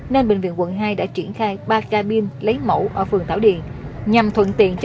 nên bệnh viện quận hai đã triển khai ba ca binh